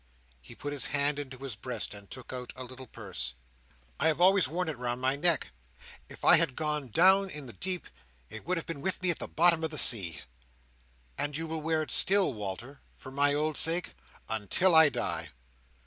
He put his hand into his breast, and took out a little purse. "I have always worn it round my neck! If I had gone down in the deep, it would have been with me at the bottom of the sea." "And you will wear it still, Walter, for my old sake?" "Until I die!"